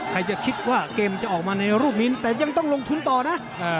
ใครจะคิดว่าเกมจะออกมาในรูปนี้แต่ยังต้องลงทุนต่อนะ